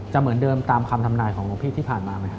เหมือนเดิมตามคำทำนายของหลวงพี่ที่ผ่านมาไหมครับ